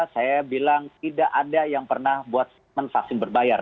saya bilang tidak ada yang pernah buat vaksin berbayar